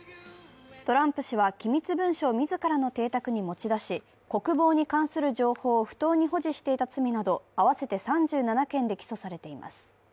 トランプ氏は機密文書を自らの邸宅に持ち出し、国防に関する情報を不当に保持していた罪など合わせて３７件で起訴されています。